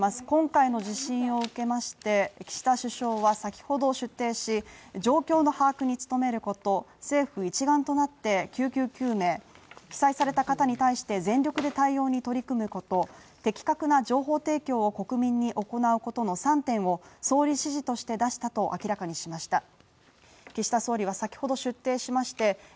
今回の地震を受けまして、岸田首相は先ほど出廷し、状況の把握に努めること、政府一丸となって、救急救命に当たること、被災された方に対して全力で対応に取り組むこと、的確な情報提供を国民に行うことの３点を総理指示として出したと明らかにしました。